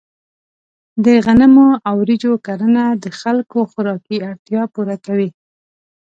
د غنمو او وریجو کرنه د خلکو خوراکي اړتیا پوره کوي.